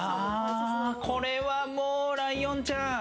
これはもうライオンちゃん。